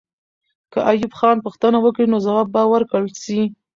که ایوب خان پوښتنه وکړي، نو ځواب به ورکړل سي.